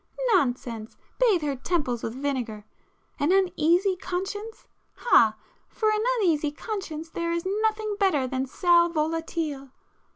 —nonsense!—bathe her temples with vinegar! An uneasy conscience?—ah!—for an uneasy conscience there is nothing better than sal volatile!